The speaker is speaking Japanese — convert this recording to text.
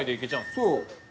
そう。